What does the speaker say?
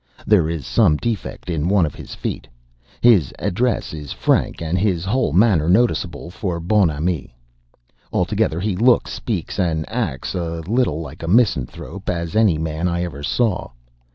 There is some defect in one of his feet. His address is frank, and his whole manner noticeable for bonhomie. Altogether, he looks, speaks, and acts as little like 'a misanthrope' as any man I ever saw.